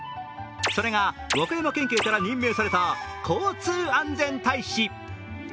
それが和歌山県警から任命された交通安全大使。